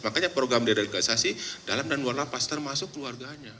makanya program diradikalisasi dalam dan luar lapas termasuk keluarganya